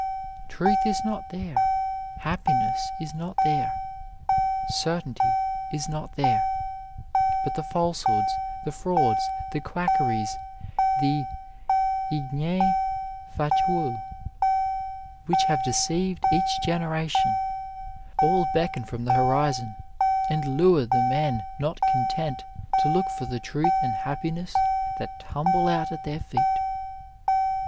Truth is not there, happi ness is not there, certainty is not there, but the falsehoods, the frauds, the quackeries, the ignes fatui which have deceived each generation all beckon from the horizon, and lure the men not content to look for the truth and happiness that tumble out at their feet.